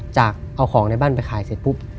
จากเอาของในบ้านไปขายเสร็จปุ๊บ